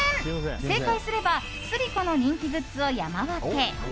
正解すればスリコの人気グッズを山分け。